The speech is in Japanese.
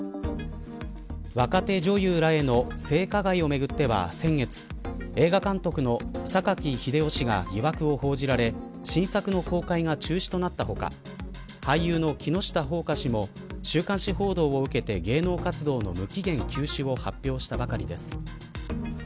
若手女優らへの性加害をめぐっては先月、映画監督の榊英雄氏が疑惑を報じられ新作の公開が中止となった他俳優の木下ほうか氏も週刊誌報道を受けて芸能活動の無期限休止を発表したばかりです。